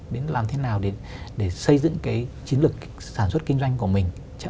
đến làm thế nào để xây dựng cái chiến lược sản xuất kinh doanh của mình